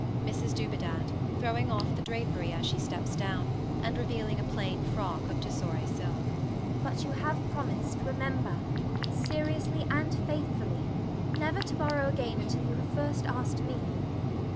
MRS DUBEDAT [throwing off the drapery as she steps down, and revealing a plain frock of tussore silk] But you have promised, remember, seriously and faithfully, never to borrow again until you have first asked me.